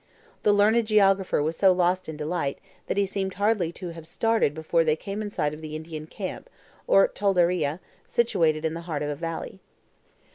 The learned geographer was so lost in delight, that he seemed hardly to have started before they came in sight of the Indian camp, or TOLDERIA, situated in the heart of a valley.